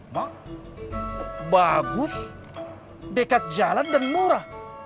mak bagus dekat jalan dan murah